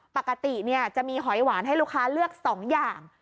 ปกติจะมีหอยหวานให้ลูกค้าเลือก๒อย่าง